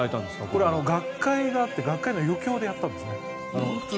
これ学会があって学会の余興でやったんです。